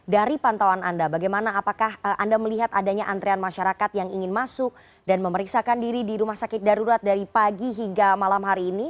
dari pantauan anda bagaimana apakah anda melihat adanya antrean masyarakat yang ingin masuk dan memeriksakan diri di rumah sakit darurat dari pagi hingga malam hari ini